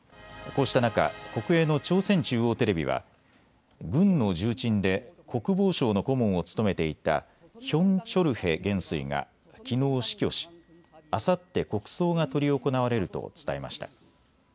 こうした中、国営の朝鮮中央テレビは軍の重鎮で国防省の顧問を務めていたヒョン・チョルヘ元帥がきのう死去し、あさって国葬が執り行われると伝えました。